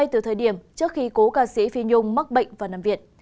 từ thời điểm trước khi cố ca sĩ phi nhung mắc bệnh và nằm viện